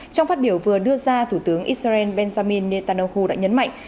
trong phát biểu vừa đưa ra thủ tướng israel benjamin netanyahu đã nhấn mạnh